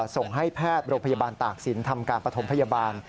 ส่งให้แพทย์โรงพยาบาลตากศิลปทำการปฐมพยาบาล